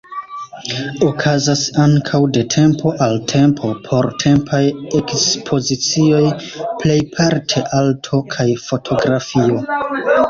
Okazas ankaŭ de tempo al tempo portempaj ekspozicioj, plejparte arto kaj fotografio.